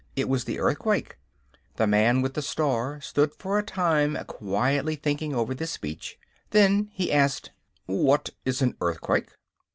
It was the earthquake." The man with the star stood for a time quietly thinking over this speech. Then he asked: "What is an earthquake?"